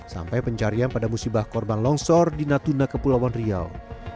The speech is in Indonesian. sampai pencarian pada musibah korban longsor di natuna kepulauan riau